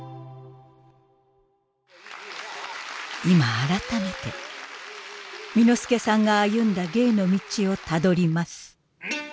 今改めて簑助さんが歩んだ芸の道をたどります。